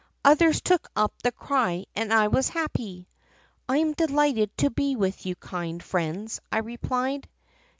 Others took up the cry and I was happy. " 'I am delighted to be with you, kind friends,' I replied.